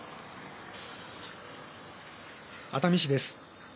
熱海市です。